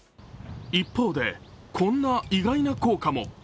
一方で、こんな意外な効果も。